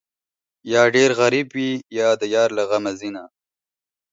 یا ډېر غریب وي، یا د یار له غمه ځینه